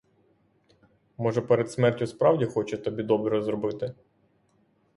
Може, перед смертю, справді, хоче тобі добре зробити?